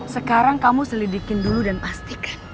sekarang kamu selidikin dulu dan pastikan